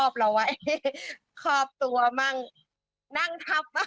จะเอาเอาห์วัธส่วนใดส่วนหนึ่งของเขาอังี้มาคอบเราไว้